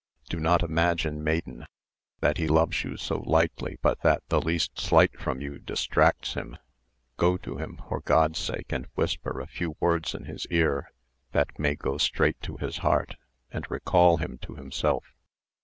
Do not imagine, maiden, that he loves you so lightly but that the least slight from you distracts him. Go to him, for God's sake, and whisper a few words in his ear, that may go straight to his heart, and recall him to himself.